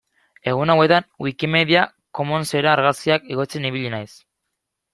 Egun hauetan Wikimedia Commonsera argazkiak igotzen ibili naiz.